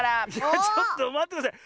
ちょっとまってください。